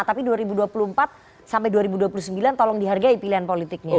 tapi dua ribu dua puluh empat sampai dua ribu dua puluh sembilan tolong dihargai pilihan politiknya